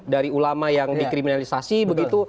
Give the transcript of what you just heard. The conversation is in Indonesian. dari ulama yang dikriminalisasi